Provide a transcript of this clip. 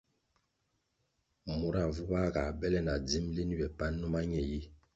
Mura vuba ga bele na dzim lin ywe pan numa ñe yi.